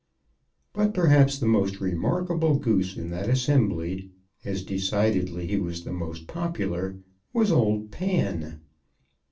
But perhaps the most remarkable Goose in that assembly, as decidedly he was the most popular, was old Pan.